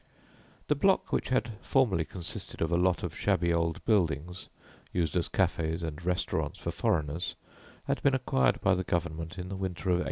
The block which had formerly consisted of a lot of shabby old buildings, used as cafés and restaurants for foreigners, had been acquired by the Government in the winter of 1898.